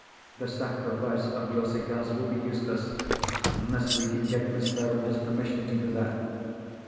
The sacrifice of your cigars will be useless, unless we can get Miss Verinder's permission to do that."